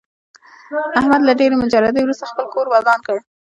احمد له ډېرې مجردۍ ورسته خپل کور ودان کړ.